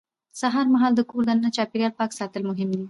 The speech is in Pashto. سهار مهال د کور دننه چاپېریال پاک ساتل مهم دي